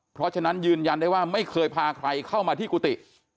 เพราะฉะนั้นยืนยันได้ว่าไม่เคยพาใครเข้ามาที่กุฏิ